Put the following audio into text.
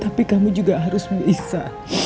tapi kamu juga harus bisa